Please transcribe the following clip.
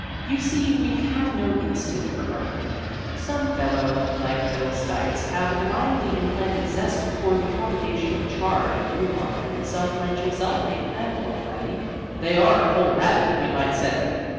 You see, we have no instinct for gardening. Some fellows, like Bill Stites, have a divinely implanted zest for the propagation of chard and rhubarb and self blanching celery and kohl rabi; they are kohl rabid, we might say.